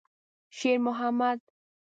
شېرمحمد.